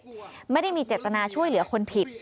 คำพูดในคลิปไม่ได้มีเจตนาช่วยเหลือคนผิด